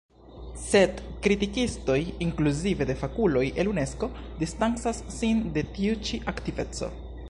Sed kritikistoj, inkluzive de fakuloj el Unesko, distancas sin de tiu ĉi aktiveco.